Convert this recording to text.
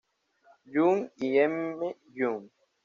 Young y M. Young.